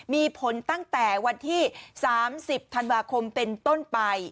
มีผลตั้งแต่วันที่๓๐ธันวาคมเป็นต้นไป